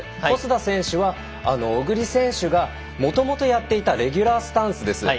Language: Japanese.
小須田選手は小栗選手がもともとやっていたレギュラースタンスです。